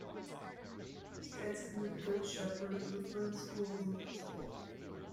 He attended Good Shepherd Lutheran School in middle school.